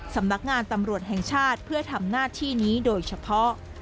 สำนักงานตำรวจแห่งชาติเพื่อทำหน้าที่นี้โดยเฉพาะ